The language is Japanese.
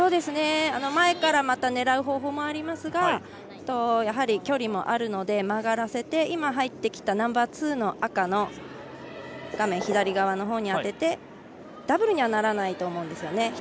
前からまた狙う方法もありますが距離もあるので、曲がらせて今入ってきたナンバーツーの赤の画面左側のほうに当ててダブルにはならないと思うんですよね。